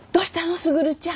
卓ちゃん。